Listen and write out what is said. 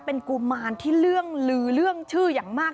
เป็นกุมารที่เรื่องลือเรื่องชื่ออย่างมาก